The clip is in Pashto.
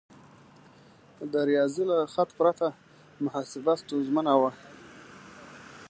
د ریاضي له خط پرته محاسبه ستونزمنه وه.